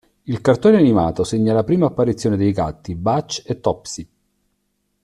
Il cartone animato segna la prima apparizione dei gatti Butch e Topsy.